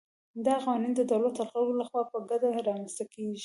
دا قوانین د دولت او خلکو له خوا په ګډه رامنځته کېږي.